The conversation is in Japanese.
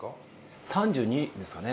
３２ですかね。